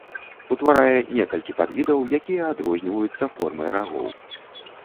Утварае некалькі падвідаў, якія адрозніваюцца формай рагоў.